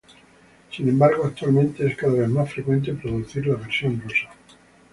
Sin embargo, actualmente es cada vez más frecuente producir la versión rusa.